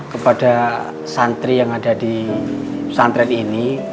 kepada santri yang ada di pesantren ini